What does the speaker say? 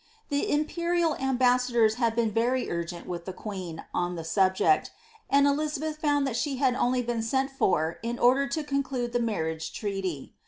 The imperial am benadors had been very urgent with the queen on the subject, and Eli abeth found she had only been sent for in order to conclude the onnriage treaty.